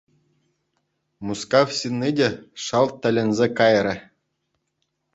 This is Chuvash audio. Мускав ҫынни те шалт тӗлӗнсе кайрӗ.